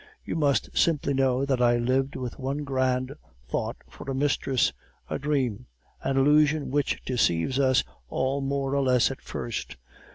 You must simply know that I lived with one grand thought for a mistress, a dream, an illusion which deceives us all more or less at first.